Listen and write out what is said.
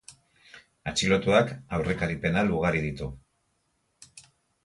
Atxilotuak aurrekari penal ugari ditu.